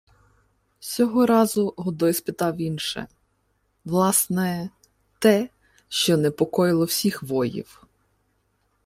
Сього разу Годой спитав інше: власне, те, що непокоїло всіх воїв.